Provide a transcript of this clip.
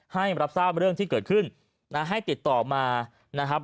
ให้รับทราบเรื่องที่เกิดขึ้นนะให้ติดต่อมานะครับ